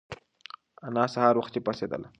انا سهار وختي پاڅېدله.